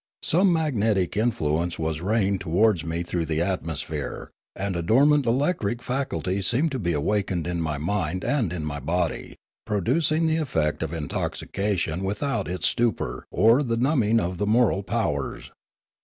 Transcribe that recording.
Some magnetic influence was raying towards me through the atmosphere, and a dormant electric faculty seemed to be awakened in my mind and in my body, producing the effect of in toxication without its stupor or the numbing of the moral powers.